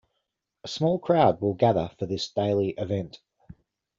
A small crowd will gather for this daily event.